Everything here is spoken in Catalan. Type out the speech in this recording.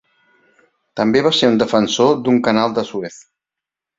També va ser un defensor d'un canal de Suez.